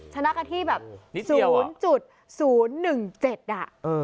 ชนะกันที่แบบ๐๐๑๗อ่ะ